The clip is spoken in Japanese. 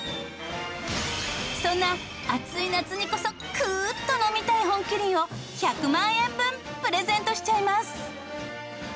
そんな暑い夏にこそ「クーッ！」っと飲みたい本麒麟を１００万円分プレゼントしちゃいます。